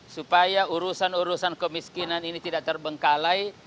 supaya urusan urusan kemiskinan ini tidak terbengkalai